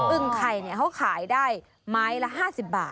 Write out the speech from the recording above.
ึ่งไข่เขาขายได้ไม้ละ๕๐บาท